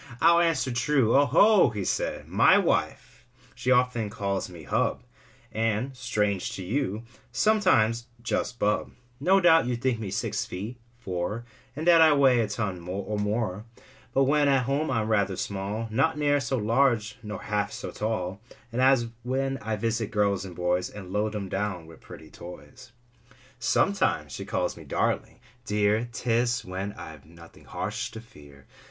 I'll answer true, 0 ho !" he said. Copyrighted, 1897. Y wife, she often calls me hub, ^ And, strange to you, sometimes just bub, No doubt you think me six feet, four, And that I weigh a ton or more, But when at home I'm rather small, Not near so large nor half so tall As when I visit girls and boys And load them down with pretty toys." r '' Vx . J '•^ >A'>>JiA I' Vr 7:««ink Copyrighted I8i*7 OMETIMES she calls me darling, dear, Tis then I've nothing harsh to fear.